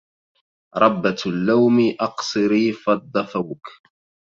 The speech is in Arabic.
ربة اللوم أقصري فض فوك